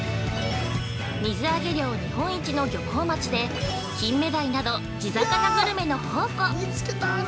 水揚げ量日本一の漁港町でキンメダイなど地魚グルメの宝庫。